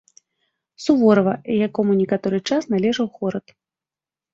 Суворава, якому некаторы час належаў горад.